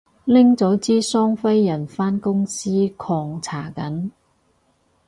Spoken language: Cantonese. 拎咗支雙飛人返公司狂搽緊